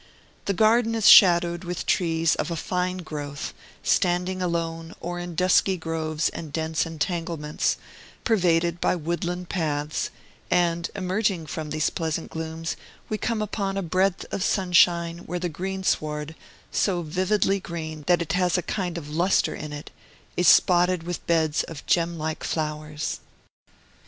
The Garden is shadowed with trees of a fine growth, standing alone, or in dusky groves and dense entanglements, pervaded by woodland paths; and emerging from these pleasant glooms, we come upon a breadth of sunshine, where the greensward so vividly green that it has a kind of lustre in it is spotted with beds of gemlike flowers.